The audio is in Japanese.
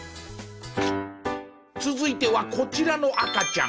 続いてはこちらの赤ちゃん。